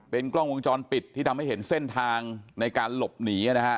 กล้องวงจรปิดที่ทำให้เห็นเส้นทางในการหลบหนีนะฮะ